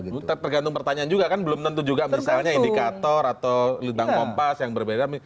tergantung pertanyaan juga kan belum tentu juga misalnya indikator atau lidang kompas yang berbeda